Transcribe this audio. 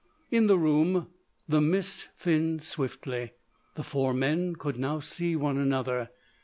In the room the mist thinned swiftly; the four men could now see one another.